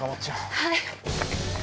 はい。